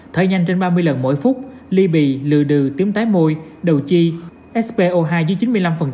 thở nhanh trên ba mươi lần mỗi phút ly bì lừa đừếm tái môi đầu chi spo hai dưới chín mươi năm